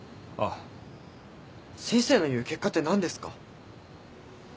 先生の言う結果って何ですか？